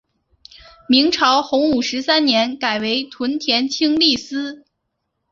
明朝洪武十三年改为屯田清吏司。